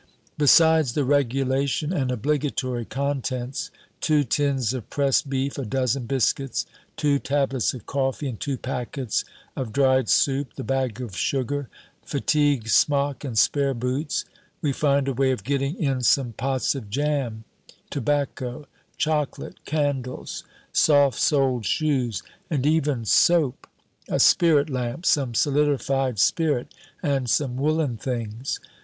Besides the regulation and obligatory contents two tins of pressed beef, a dozen biscuits, two tablets of coffee and two packets of dried soup, the bag of sugar, fatigue smock, and spare boots we find a way of getting in some pots of jam, tobacco, chocolate, candles, soft soled shoes; and even soap, a spirit lamp, some solidified spirit, and some woolen things.